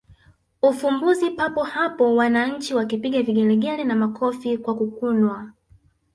ufumbuzi papo hapo wananchi wakipiga vigelegele na makofi kwa kukunwa